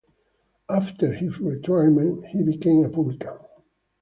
After his retirement he became a publican.